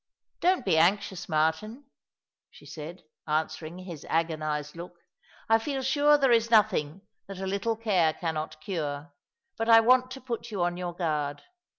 Don't be anxious, Martin !" she said, answering his agonized look. " I feel sure there is nothing that a little care cannot cure; but I want to put you on your guard.